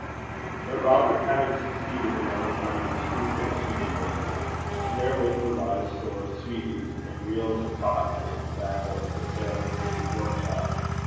But Robert having succeeded in overcoming her scruples, she did take it, and therewith provide a store of sweeties, and reels of cotton, and tobacco, for sale in Sanny's workshop.